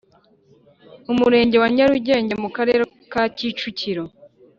Umurenge wa Nyarugenge mu Karere ka kicukiro